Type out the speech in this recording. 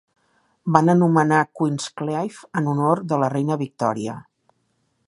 Van anomenar Queenscliff en honor de la reina Victòria.